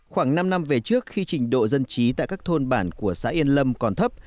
khoảng năm năm về trước khi trình độ dân trí tại các thôn bản của xã yên lâm còn thấp